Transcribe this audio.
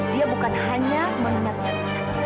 dia bukan hanya menunjukkan kekuasaan